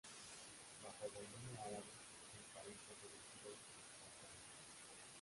Bajo dominio árabe el país fue conocido como Jorasán.